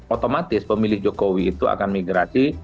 otomatis pemilih jokowi itu akan migrasi